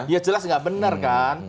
dia jelas nggak benar kan